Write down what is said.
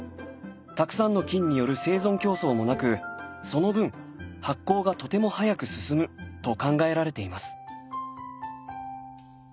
たくさんの菌による生存競争もなくその分発酵がとても速く進むと考えられています。